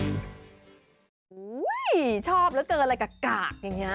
โอ้โหชอบเหลือเกินอะไรกับกากอย่างนี้